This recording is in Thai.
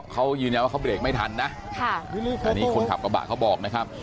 เขายืนยันว่าเขาเบรกไม่ทันนะอันนี้คนขับกระบะเขาบอกนะครับ